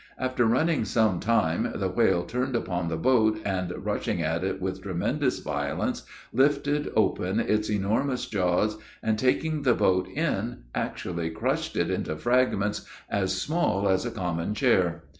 After running some time, the whale turned upon the boat, and rushing at it with tremendous violence lifted open its enormous jaws, and taking the boat in, actually crushed it into fragments as small as a common chair!